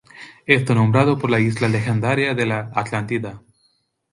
Está nombrado por la isla legendaria de la Atlántida.